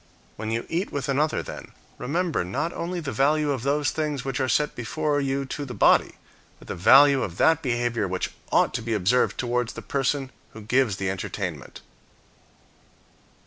When you eat with another, then, remember not only the value of those things which are set before you to the body, but the value of that behavior which ought to be observed towards the person who gives the entertainment.